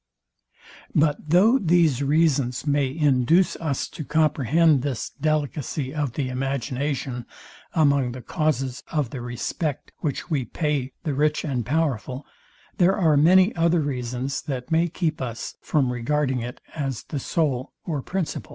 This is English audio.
But though these reasons may induce us to comprehend this delicacy of the imagination among the causes of the respect, which we pay the rich and powerful, there are many other reasons, that may keep us from regarding it as the sole or principal.